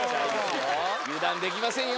油断できませんよ